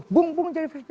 bung bung jadi presiden